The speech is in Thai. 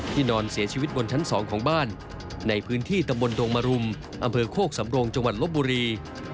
นอนเสียชีวิตบนชั้น๒ของบ้านในพื้นที่ตำบลดงมรุมอำเภอโคกสำโรงจังหวัดลบบุรี